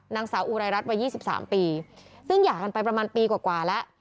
นางสาวอุไรรัฐวัย๒๓ปีซึ่งหย่ากันไปประมาณปีกว่าแล้ว